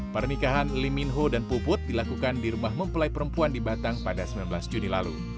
pernikahan lee min ho dan puput dilakukan di rumah mempelai perempuan di batang pada sembilan belas juni lalu